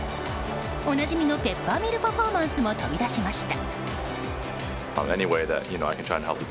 おなじみのペッパーミルパフォーマンスも飛び出しました。